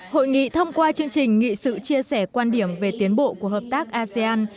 hội nghị thông qua chương trình nghị sự chia sẻ quan điểm về tiến bộ của hợp tác asean